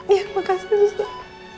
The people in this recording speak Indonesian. iya makasih suster